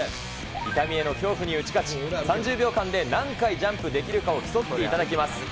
痛みへの恐怖に打ち勝ち、３０秒間で何回ジャンプできるかを競っていただきます。